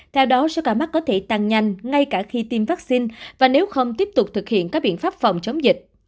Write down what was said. theo đó sơ cả mắt có thể tăng nhanh ngay cả khi tiêm vaccine và nếu không tiếp tục thực hiện các biện pháp phòng chống dịch